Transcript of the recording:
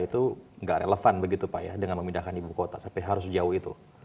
mengurangi beban jakarta itu tidak relevan begitu pak ya dengan memindahkan ibu kota sampai sejauh itu